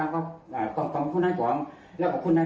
เจ้าฟังถ้าก่ายซื้อเจ้า